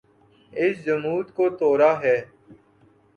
اس جمود کو توڑا ہے۔